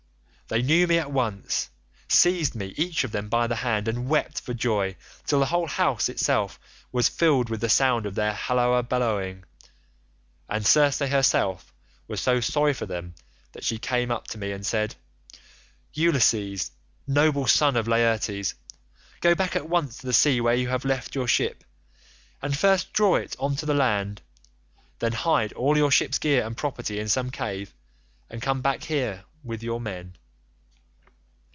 They knew me at once, seized me each of them by the hand, and wept for joy till the whole house was filled with the sound of their halloa ballooing, and Circe herself was so sorry for them that she came up to me and said, 'Ulysses, noble son of Laertes, go back at once to the sea where you have left your ship, and first draw it on to the land. Then, hide all your ship's gear and property in some cave, and come back here with your men.